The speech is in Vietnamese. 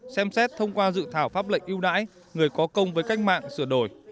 xem xét thông qua dự thảo pháp lệnh ưu đãi người có công với cách mạng sửa đổi